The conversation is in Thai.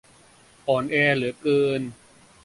อ่อนแอเหลือเกิน